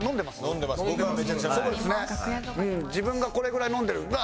自分がこれぐらい飲んでる。